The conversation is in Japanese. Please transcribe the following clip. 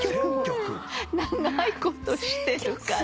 長いことしてるから。